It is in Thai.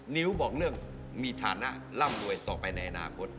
นิ้วบอกเรื่องมีฐานะร่ำรวยต่อไปในอนาคต